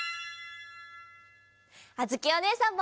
あづきおねえさんも！